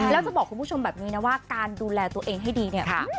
แล้วจะบอกคุณผู้ชมแบบนี้นะว่าการดูแลตัวเองให้ดีเนี่ย